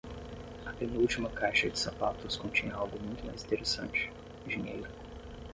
A penúltima caixa de sapatos continha algo muito mais interessante - dinheiro.